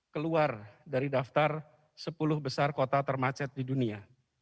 keluar dari daftar sepuluh besar kota termacet di dunia